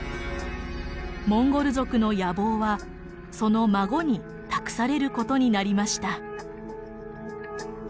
モンゴル族の野望はその孫に託されることになりました。